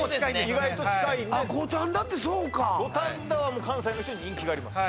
意外と近いんで五反田ってそうか五反田は関西の人に人気があります